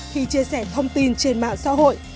khi chia sẻ thông tin trên mạng xã hội